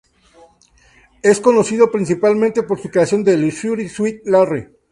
Es conocido principalmente por su creación de "Leisure Suit Larry".